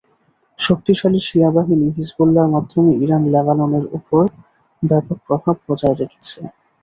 শক্তিশালী শিয়া বাহিনী হিজবুল্লাহর মাধ্যমে ইরান লেবাননের ওপর ব্যাপক প্রভাব বজায় রেখেছে।